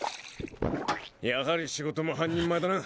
やはり仕事も半人前だな。